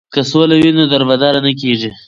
که سوله وي نو دربدره نه کیږي.